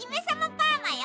パーマよ。